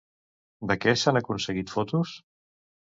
De què s'han aconseguit fotos?